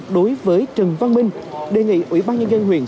đối với trần văn minh đề nghị ủy ban nhân dân huyện